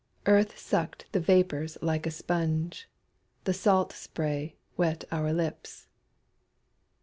Earth sucked the vapors like a sponge, The salt spray wet our lips.